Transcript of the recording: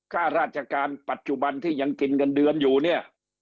ค่าราชการปัจจุบันที่ยังกินเงินเดือนอยู่เนี่ย